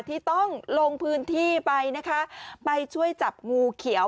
ที่ต้องลงพื้นที่ไปนะคะไปช่วยจับงูเขียว